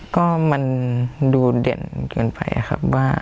ก็มันดูเด่นเกินไปครับว่า